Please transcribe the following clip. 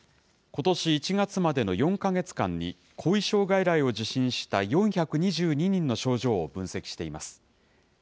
ことし１月までの４か月間に後遺症外来を受診した、４２２人の症状を分析しています。